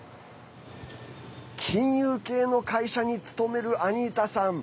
金融系の会社に勤めるアニータさん。